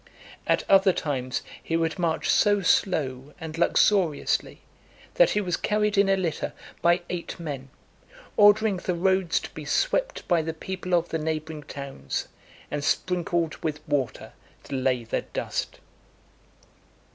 At other times, he would march so slow and luxuriously, that he was carried in a litter by eight men; ordering the roads to be swept by the people of the neighbouring towns, and sprinkled with water to lay the dust.